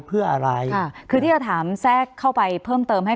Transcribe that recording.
คุณลำซีมัน